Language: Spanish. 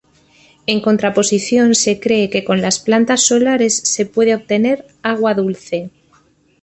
En contraposición se cree que con las plantas solares se puede obtener agua dulce.